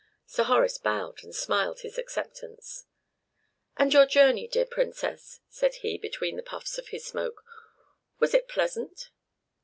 Sir Horace bowed, and smiled his acceptance. "And your journey, dear Princess," said he, between the puffs of his smoke, "was it pleasant?"